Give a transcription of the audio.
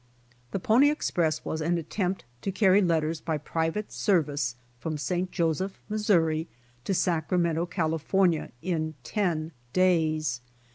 The pony express was an attempt to carry letters by private service from St. Joseph, Missouri, to Sacramento, California in ten days.